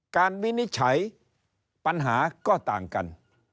วินิจฉัยปัญหาก็ต่างกัน